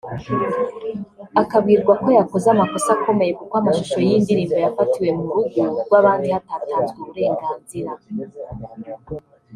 akabwirwa ko yakoze amakosa akomeye kuko amashusho y’iyi ndirimbo yafatiwe mu rugo rw’abandi hatatanzwe uburenganzira